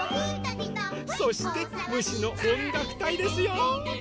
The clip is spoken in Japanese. そして「虫のおんがくたい」ですよ！